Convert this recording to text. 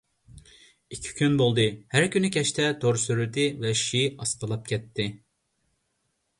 ئىككى كۈن بولدى، ھەر كۈنى كەچتە تور سۈرئىتى ۋەھشىي ئاستىلاپ كەتتى.